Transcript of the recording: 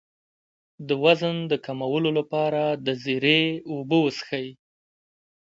د وزن د کمولو لپاره د زیرې اوبه وڅښئ